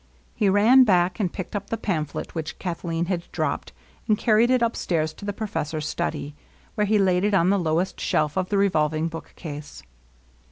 He ran back and picked up the pamphlet which Kathleen had dropped, and carried it upstairs to the profes sor's study, where he laid it on the lowest shelf of the revolving bookcase.